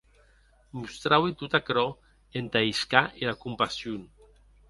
Mostraue tot aquerò entà ahiscar era compasion.